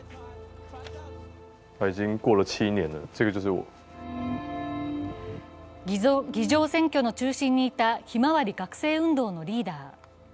議場占拠の中心にいた、ひまわり学生運動のリーダー。